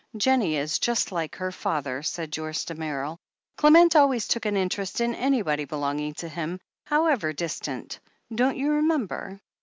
"Jennie is just like her father," said Joyce Damerel. "Clement always took an interest in anybody belonging to him, however distant, don't you remember